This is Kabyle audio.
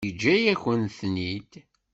Yeǧǧa-yakent-ten-id.